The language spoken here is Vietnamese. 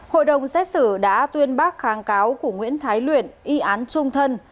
hội đồng xét xử đã tuyên bác kháng cáo của nguyễn thái luyện y án trung thân